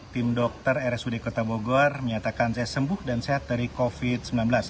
tim dokter rsud kota bogor menyatakan saya sembuh dan sehat dari covid sembilan belas